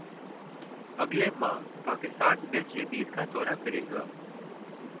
اگلے ماہ Pakistan West Indies کا دورہ کرے گا